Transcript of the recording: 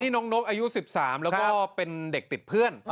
น้องนกอายุ๑๓แล้วก็เป็นเด็กติดเพื่อน